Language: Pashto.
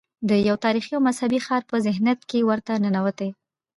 د یو تاریخي او مذهبي ښار په ذهنیت کې ورته ننوتي.